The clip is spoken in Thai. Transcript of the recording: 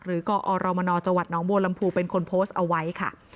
หรือก็อรมนจนโบรมภูมิเป็นคนโพสต์เอาไว้ค่ะ